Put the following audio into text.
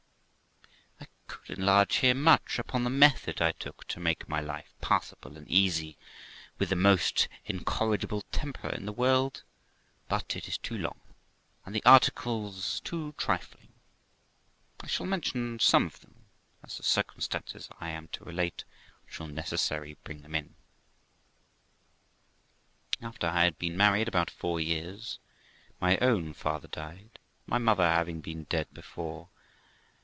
I could enlarge here much upon the method I took to make my life passable and easy with the most incorrigible temper in the world; but it is too long, and the articles too trifling. I shall mention some of them as the circumstances I am to relate shall necessarily bring them in. After I had been married about four years, my own father died, my mother having been dead before.